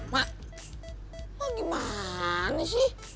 mak gimana sih